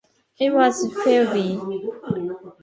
It was Philby.